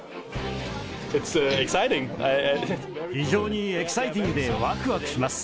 非常にエキサイティングでわくわくします。